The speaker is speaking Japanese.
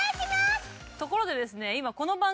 ところでですね。